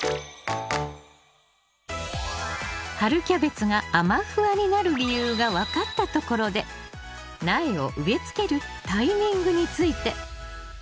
春キャベツがあま・フワになる理由が分かったところで苗を植え付けるタイミングについて。